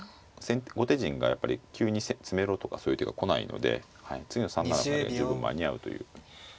後手陣が急に詰めろとかそういう手が来ないので次の３七歩成で十分間に合うという。